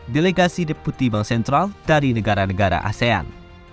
delegasi deputi bank sentral dari negara negara asean